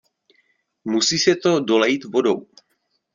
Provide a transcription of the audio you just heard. Musí se to dolejt vodou.